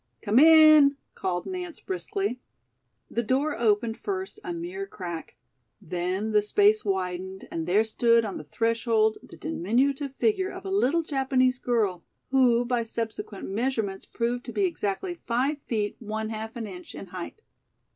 "Come in," called Nance briskly. The door opened first a mere crack. Then the space widened and there stood on the threshold the diminutive figure of a little Japanese girl who by subsequent measurements proved to be exactly five feet one half an inch in height.